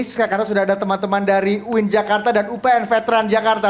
sekarang sudah ada teman teman dari uin jakarta dan upn veteran jakarta